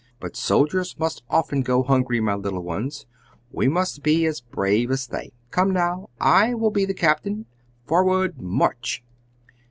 But soldiers must often go hungry, my little ones. We must be as brave as they. Come, now. I will be the captain! Forward march!"